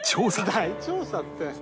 大調査って。